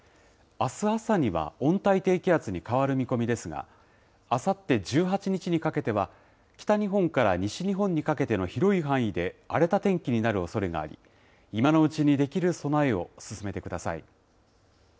あす朝には温帯低気圧に変わる見込みですが、あさって１８日にかけては、北日本から西日本にかけての広い範囲で荒れた天気になるおそれがあり、今のうちにできる備えを進めてください。